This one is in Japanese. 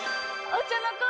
お茶の子